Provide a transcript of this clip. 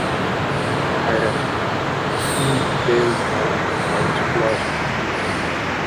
I rest: see pale salmon clouds blossom.